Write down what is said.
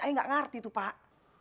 saya nggak ngerti tuh pak